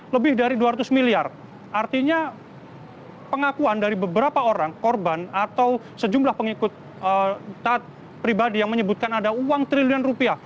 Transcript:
lebih dari dua ratus miliar artinya pengakuan dari beberapa orang korban atau sejumlah pengikut taat pribadi yang menyebutkan ada uang triliun rupiah